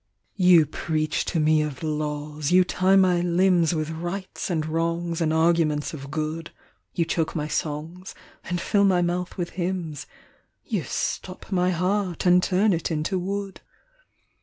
YOU preach to me of laws, you tie my limbs With rights and wrongs and arguments of good, You choke my songs and fill my mouth with hymns, You stop my heart and turn it into wood.